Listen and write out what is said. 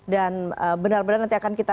dan benar benar nanti akan kita